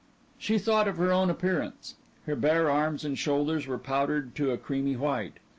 She thought of her own appearance. Her bare arms and shoulders were powdered to a creamy white.